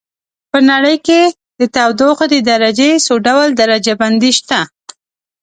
په نړۍ کې د تودوخې د درجې څو ډول درجه بندي شته.